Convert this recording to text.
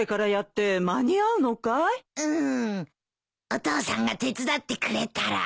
お父さんが手伝ってくれたら。